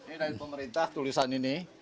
ini dari pemerintah tulisan ini